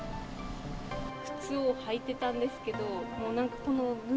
靴を履いてたんですけど、もうなんか沼？